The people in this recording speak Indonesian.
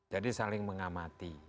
jadi saling mengamati